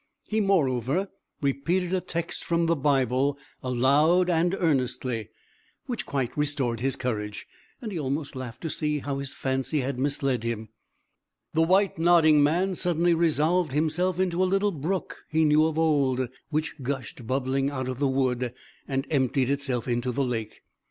He moreover repeated a text from the Bible aloud and earnestly, which quite restored his courage, and he almost laughed to see how his fancy had misled him. The white nodding man suddenly resolved himself into a little brook he knew of old, which gushed bubbling out of the wood, and emptied itself into the lake.